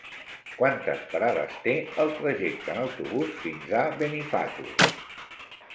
Quantes parades té el trajecte en autobús fins a Benifato?